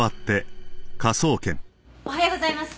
おはようございます。